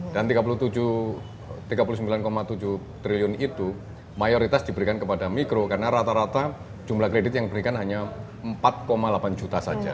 dan tiga puluh sembilan tujuh triliun itu mayoritas diberikan kepada mikro karena rata rata jumlah kredit yang diberikan hanya empat delapan juta saja